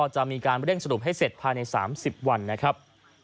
จะมีการแรงสรุปให้เสร็จพันธุ์นี้ปี๓๐วันนะครับ